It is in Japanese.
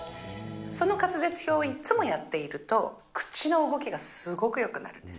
その滑舌表をいつもやっていると、口の動きがすごくよくなるんです。